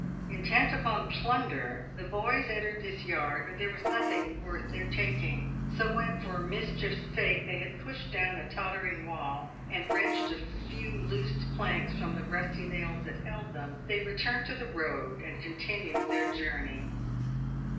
Intent upon plunder, the boys entered this yard, but there was nothing worth their taking. So when, for mischiefs sake, they had pushed down a tottering wall and wrenched a few loose planks from the rusty nails that held them, they returned to the road, and continued their journey.